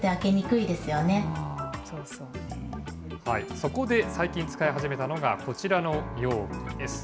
そこで最近、使い始めたのが、こちらの容器です。